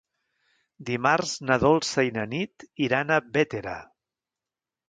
Dimarts na Dolça i na Nit iran a Bétera.